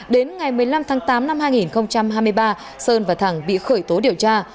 đến ngày một mươi năm tháng tám năm hai nghìn hai mươi ba sơn và thẳng bị khởi tố điều tra